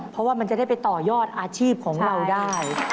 เพราะว่ามันจะได้ไปต่อยอดอาชีพของเราได้